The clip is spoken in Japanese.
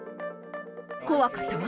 怖かったわ。